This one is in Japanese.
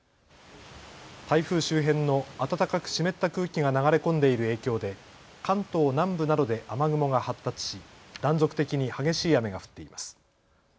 台風周辺の暖かく湿った空気が流れ込んでいる影響で関東南部などで雨雲が発達し断続的に激しい雨が降っています。